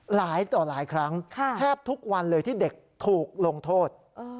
หลายต่อหลายครั้งแทบทุกวันเลยที่เด็กถูกลงโทษ